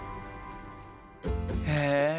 へえ！